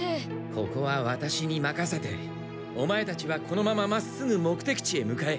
ここはワタシに任せてオマエたちはこのまままっすぐ目的地へ向かえ！